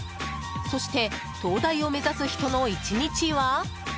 そして東大を目指す人の１日は？